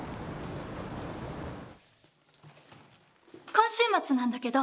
今週末なんだけど。